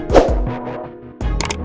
mbak papa p distracted